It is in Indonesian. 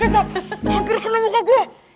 botol kecap hampir kena nge gaget